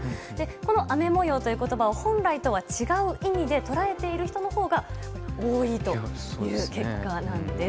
この雨模様という言葉を本来とは違う意味で捉えている人のほうが多いという結果なんです。